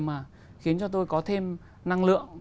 mà khiến cho tôi có thêm năng lượng